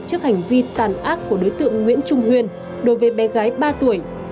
trước hành vi tàn ác của đối tượng nguyễn trung huyên đối với bé gái ba tuổi